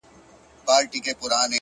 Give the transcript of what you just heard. خلگو شتنۍ د ټول جهان څخه راټولي كړې ـ